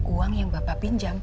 uang yang bapak pinjam